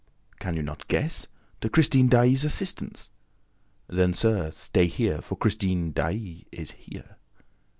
"Can not you guess? To Christine Daae's assistance..." "Then, sir, stay here, for Christine Daae is here!"